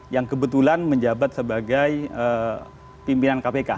yang kebetulan menjabat sebagai pimpinan kpk